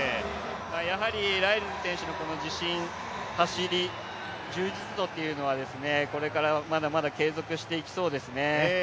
ライルズ選手の走り、自身、充実度というのはこれからまだまだ継続していくそうですね。